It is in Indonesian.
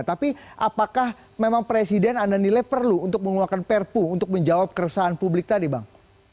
tapi apakah memang presiden anda nilai perlu untuk mengeluarkan perpu untuk menjawab keresahan publik tadi bang